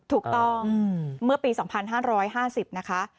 ถูกต้องอืมเมื่อปีสองพันห้าร้อยห้าสิบนะคะ